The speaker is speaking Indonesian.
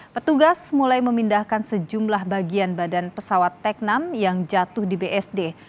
petugas mulai memindahkan sejumlah bagian badan pesawat teknam yang jatuh di bsd